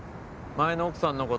前の奥さんの事